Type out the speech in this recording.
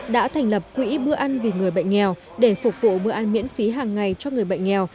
đã thành lập quỹ bữa ăn vì người bệnh nghèo để phục vụ bữa ăn miễn phí hàng ngày cho người bệnh nghèo